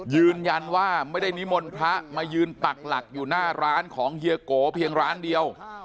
ยืนยันว่าไม่ได้นิมนต์พระมายืนปักหลักอยู่หน้าร้านของเฮียโกเพียงร้านเดียว